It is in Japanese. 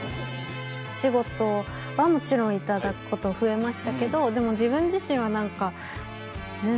お仕事はもちろん頂くこと増えましたけどでも自分自身は何か全然。